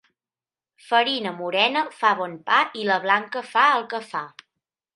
Farina morena fa bon pa i la blanca fa el que fa.